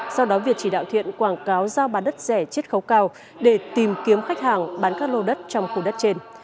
sau đó việt chỉ đạo thiện quảng cáo giao bán đất rẻ chết khấu cao để tìm kiếm khách hàng bán các lô đất trong khu đất trên